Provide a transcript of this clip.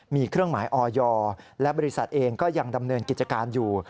มีเครื่องหมายออยและบริษัทเองก็ยังดำเนินกิจการอยู่